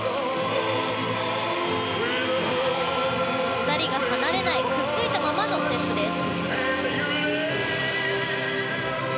２人が離れないくっついたままのステップです。